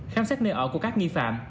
khám xét nơi ở của các nghi phạm